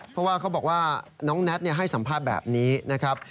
เพราะว่าเขาบอกว่าน้องแน็ตให้สัมภาษณ์แบบนี้นะครับ